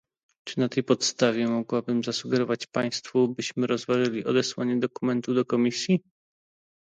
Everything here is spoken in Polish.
Czy na tej podstawie mogłabym zasugerować państwu, byśmy rozważyli odesłanie dokumentu do komisji?